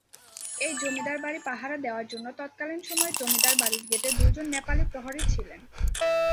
এই জমিদার বাড়ি পাহারা দেওয়ার জন্য তৎকালীন সময়ে জমিদার বাড়ির গেটে দুইজন নেপালী প্রহরী ছিল।